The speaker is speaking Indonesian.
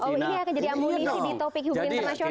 oh ini akan jadi amunisi di topik hukum internasional